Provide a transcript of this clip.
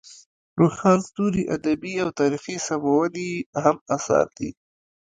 روښان ستوري ادبي او تاریخي سمونې یې هم اثار دي.